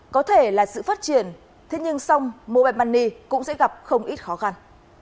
có thể là sự phát triển thế nhưng song mobile money cũng sẽ gặp không ít khó khăn